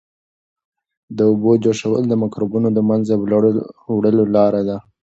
د اوبو جوشول د مکروبونو د له منځه وړلو لاره ده.